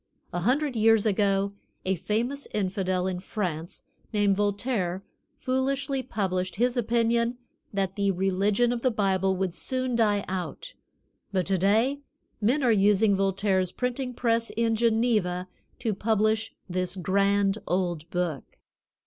A hundred years ago a famous infidel in France, named Voltaire, foolishly published his opinion that the religion of the Bible would soon die out, but to day men are using Voltaire's printing press in Geneva to publish this grand old Book.